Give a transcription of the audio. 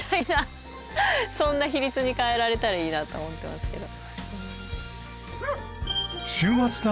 そんな比率に変えられたらいいなと思ってますけど。